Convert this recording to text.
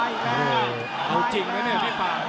ดูจริงแล้วเนี่ยพี่ปัง